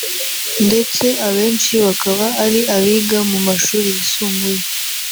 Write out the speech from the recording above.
ndetse abenshi bakaba ari abiga mu mashuri yisumbuye